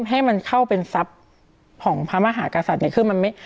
ให้มันเข้าเป็นทรัพย์ของพระมหากษัตริย์เนี่ยคือมันไม่